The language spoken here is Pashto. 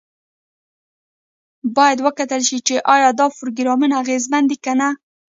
باید وکتل شي چې ایا دا پروګرامونه اغیزمن دي که نه.